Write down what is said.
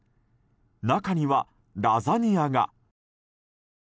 中にはラザニアが。